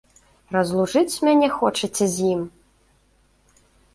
Разлучыць мяне хочаце з ім?